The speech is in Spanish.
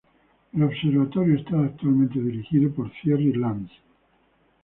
El observatorio está actualmente dirigido por Thierry Lanz.